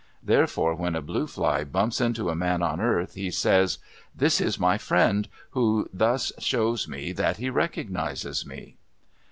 Therefore when a blue fly bumps into a man on earth, he says, "This is my friend, who thus shows me that he recognizes me."